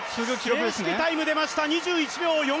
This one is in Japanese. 正式タイム出ました２１秒４５！